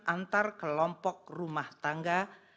antar kelompok rumah tangga